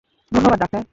ধন্যবাদ, ডাক্তার।